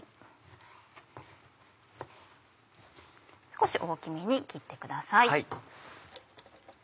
少し大きめに切ってください。